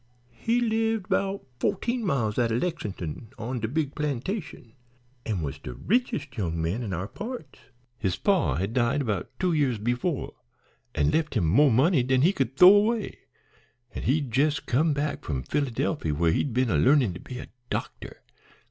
He lived 'bout fo'teen miles out o' Lexin'ton on de big plantation, an' was de richest young man in our parts. His paw had died 'bout two years befo' an' lef' him mo' money dan he could th'ow away, an' he'd jes' come back from Philadelphy, whar he'd been a learnin' to be a doctor.